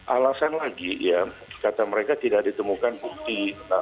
alasan lagi ya kata mereka tidak ditemukan bukti